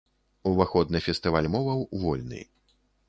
Уваход на фестываль моваў вольны.